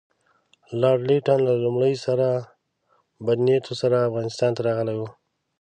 لارډ لیټن له لومړي سره بد نیتونو سره افغانستان ته راغلی وو.